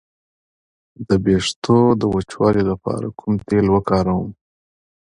د ویښتو د وچوالي لپاره کوم تېل وکاروم؟